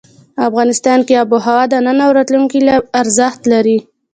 افغانستان کې آب وهوا د نن او راتلونکي ارزښت لري.